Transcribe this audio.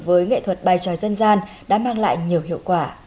với nghệ thuật bài tròi dân gian đã mang lại nhiều hiệu quả